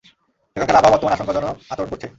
সেখানকার আবহাওয়া বর্তমানে আশংকাজনক আচরণ করছে।